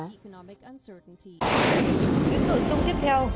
tiếng nổi sông tiếp theo